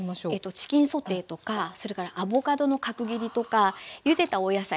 チキンソテーとかそれからアボカドの角切りとかゆでたお野菜とか。